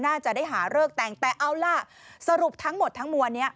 น่าจะได้หาเลิกแต่งแต่เอาล่ะสรุปทั้งหมดทั้งมวลนี้